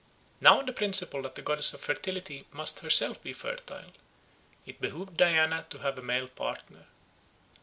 Now on the principle that the goddess of fertility must herself be fertile, it behoved Diana to have a male partner.